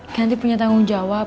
kirani punya tanggung jawab